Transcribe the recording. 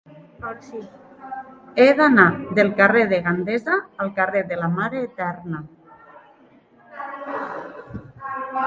He d'anar del carrer de Gandesa al carrer de la Mare Eterna.